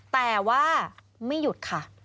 แต่ว่าไม่หยุดค่ะ